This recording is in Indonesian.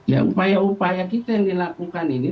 ya upaya upaya kita yang dilakukan ini